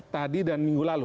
tadi dan minggu lalu